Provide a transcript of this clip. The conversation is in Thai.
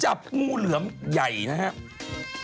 จับงูเหลือมใหญ่นะครับ